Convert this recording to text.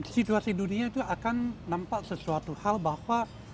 situasi dunia itu akan nampak sesuatu hal bahwa